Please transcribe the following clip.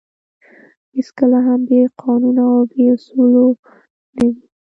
هېڅکله هم بې قانونه او بې اُصولو نه وې.